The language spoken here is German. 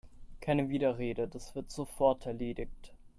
Keine Widerrede, das wird sofort erledigt!